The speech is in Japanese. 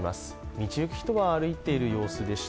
道行く人は歩いている様子でした。